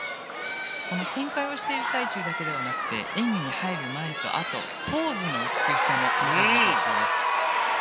旋回をしている最中だけではなくて演技に入る前とあとポーズの美しさもこの選手の特徴です。